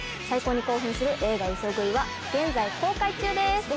最高に興奮する映画『嘘喰い』は現在公開中です。